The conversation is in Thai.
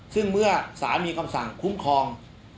ซึ่งเมื่อสารมีคำสั่งคุ้มครอง